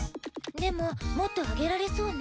でももっと上げられそうね。